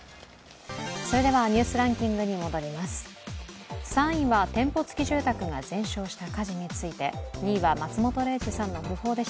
ニュースランキングに戻ります。